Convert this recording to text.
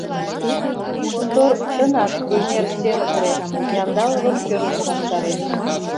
Контор чынак эҥер серыпле, Яндаловын пӧртшӧ ваштареш.